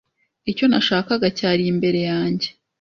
Icyo nashakaga cyari imbere yanjye.